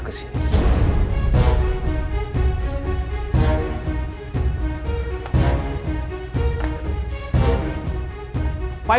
aku mau ke rumah